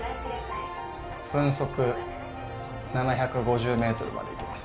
分速７５０メートルまでいきます。